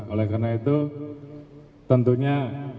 oleh karena itu tentunya